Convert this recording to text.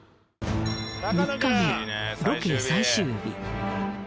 ３日目ロケ最終日。